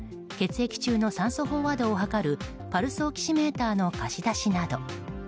血液中の酸素飽和度を測るパルスオキシメーターの貸し出しなど。